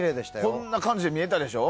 こんな感じで見えたでしょ。